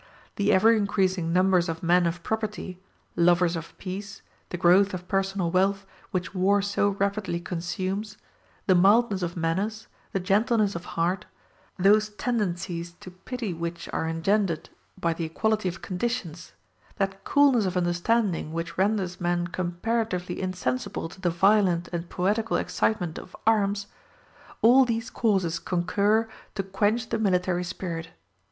The ever increasing numbers of men of property lovers of peace, the growth of personal wealth which war so rapidly consumes, the mildness of manners, the gentleness of heart, those tendencies to pity which are engendered by the equality of conditions, that coolness of understanding which renders men comparatively insensible to the violent and poetical excitement of arms all these causes concur to quench the military spirit.